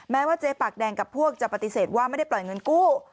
แม้ว่าเจ๊ปากแดงกับพวกจะปฏิเสธว่าไม่ได้ปล่อยเงินกู้